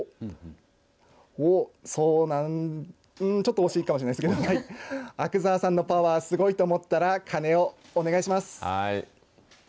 お、そうなんちょっと惜しいかもしれないですけど阿久澤さんのパワーすごいと思ったら鐘をお願いします。